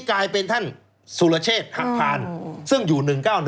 กลายเป็นท่านสุรเชษฐ์หักพานซึ่งอยู่๑๙๑